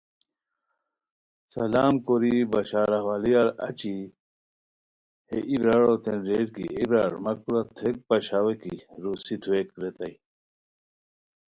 سلام کوری بشاراحوالیار اچی ہے ای براروتین ریر کی اے برار مہ کورا تھوویک پاشاوے کی روسی تھوویک ریتائے